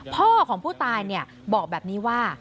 พ่อของผู้ตายบอกแบบนี้ว่า